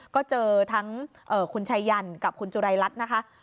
ก็เจอทั้งคุณชายยันกับคุณจุรายรัฐนะคะ